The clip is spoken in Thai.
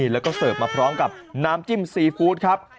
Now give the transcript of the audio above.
แล้วก็เสิร์ฟมาพร้อมกับน้ำจิ้มซีฟู้ดครับ